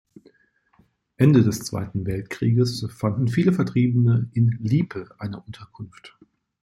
Ende des Zweiten Weltkrieges fanden viele Vertriebene in Liepe eine Unterkunft.